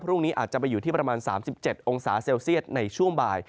พรุ่งนี้อาจจะไปอยู่ที่ประมาณ๓๗องศาเซลเซียตในช่วงบ่าย